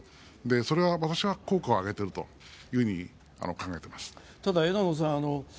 それは私は効果を上げていると考えています。